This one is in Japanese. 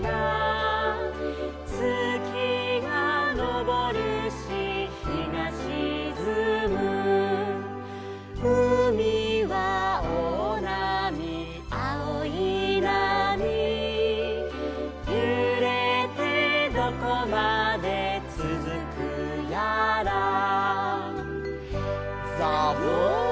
「月がのぼるし日がしずむ」「うみは大なみあおいなみ」「ゆれてどこまでつづくやら」ザブン！